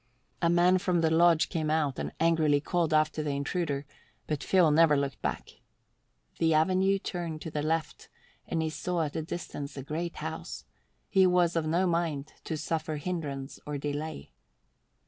A man from the lodge came out and angrily called after the intruder, but Phil never looked back. The avenue turned to the left and he saw at a distance the great house; he was of no mind to suffer hindrance or delay.